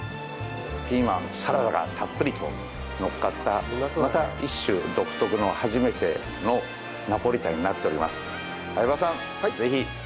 ピーマンサラダがたっぷりとのっかったまた一種独特の初めてのナポリタンになっております。